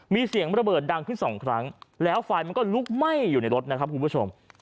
มีเสียงระเบิดดังขึ้นสองครั้งแล้วไฟมันก็ลุกไหม้อยู่ในรถนะครับคุณผู้ชม